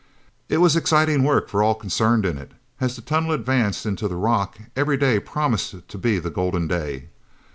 It was exciting work for all concerned in it. As the tunnel advanced into the rock every day promised to be the golden day.